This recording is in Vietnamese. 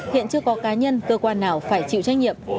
hiện chưa có cá nhân cơ quan nào phải chịu trách nhiệm